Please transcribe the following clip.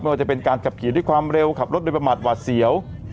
ว่าจะเป็นการขับขี่ด้วยความเร็วขับรถโดยประมาทหวาดเสียว